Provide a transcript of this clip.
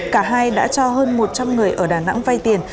cả hai đã cho hơn một trăm linh người ở đà nẵng vay tiền